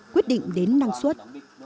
quyết định đến năng suất